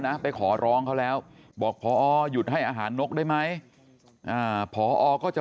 ไปขอร้องเขาแล้วบอกพอหยุดให้อาหารนกได้ไหมพอก็จะ